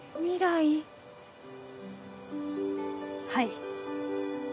はい。